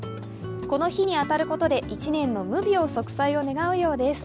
この火に当たることで１年の無病息災を願うようです。